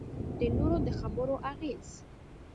د نورو د خبرو اغېز.